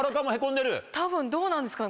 多分どうなんですかね